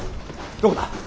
どこだ？